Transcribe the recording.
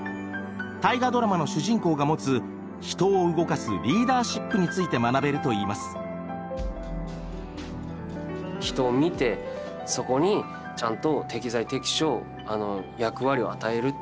「大河ドラマ」の主人公が持つ人を動かすリーダーシップについて学べるといいます。ってすごく思いました。